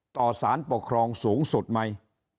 สารปกครองสูงสุดไหม